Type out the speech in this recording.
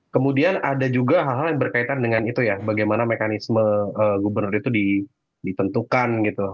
kemudian ada juga hal hal yang berkaitan dengan itu ya bagaimana mekanisme gubernur itu ditentukan gitu